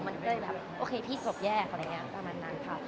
มันก็เลยแบบโอเคพี่จบแยกอะไรอย่างนี้ประมาณนั้นค่ะ